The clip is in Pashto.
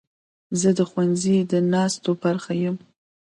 زه د ښوونځي د ناستو برخه یم.